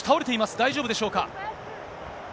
大丈夫でしょうか。